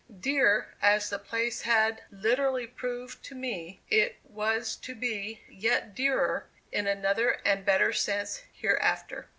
"Dear" as the place had literally proved to me, it was to be yet dearer, in another and better sense, hereafter.